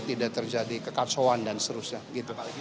tidak terjadi kekacauan dan seterusnya gitu